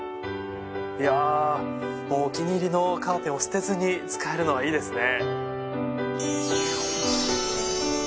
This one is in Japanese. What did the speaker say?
いやお気に入りのカーテンを捨てずに使えるのはいいですね。